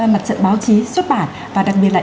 mặt trận báo chí xuất bản và đặc biệt là